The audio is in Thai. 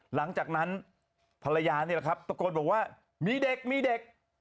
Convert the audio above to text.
หลังจากนั้นภรรยานี่แหละครับตะโกนบอกว่ามีเด็กมีเด็ก